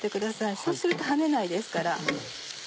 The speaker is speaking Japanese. そうすると跳ねないですから。